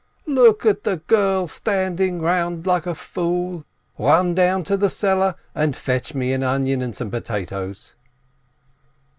"Look at the girl standing round like a fool! Run down to the cellar, and fetch me an onion and some potatoes